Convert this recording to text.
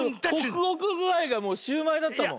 ホクホクぐあいがもうシューマイだったもん。